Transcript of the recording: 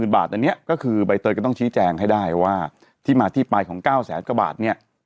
บาทอันนี้ก็คือใบเตยก็ต้องชี้แจงให้ได้ว่าที่มาที่ไปของ๙แสนกว่าบาทเนี่ย